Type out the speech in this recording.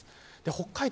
北海道